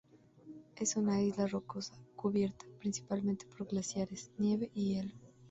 Es una isla rocosa, cubierta principalmente por glaciares, nieve y hielo.